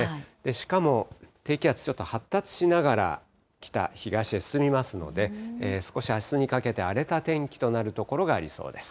しかも低気圧、ちょっと発達しながら北、東へ進みますので、少しあすにかけて、荒れた天気となる所がありそうです。